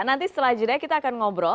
nanti setelah jeda kita akan ngobrol